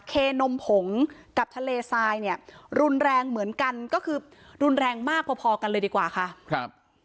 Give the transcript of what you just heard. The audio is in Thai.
เคนมผงกับทะเลทรายเนี่ยรุนแรงเหมือนกันก็คือรุนแรงมากพอพอกันเลยดีกว่าค่ะครับ